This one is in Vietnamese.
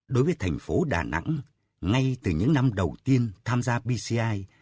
đối với thành phố đà nẵng ngay từ những năm đầu tiên tham gia pci